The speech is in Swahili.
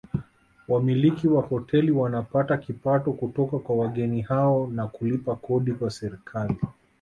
Wamiliki wa hoteli wanapata kipato kutoka kwa wageni hao na kulipa kodi kwa serikali